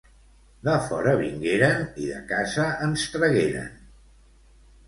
De fora vingueren i de casa ens tragueren